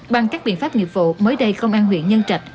bằng các biện pháp nghiệp vụ mới đây công an huyện nhân trạch